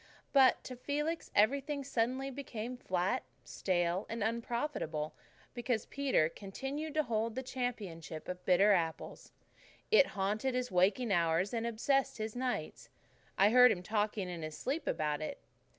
But to Felix everything suddenly became flat, stale, and unprofitable, because Peter continued to hold the championship of bitter apples. It haunted his waking hours and obsessed his nights. I heard him talking in his sleep about it.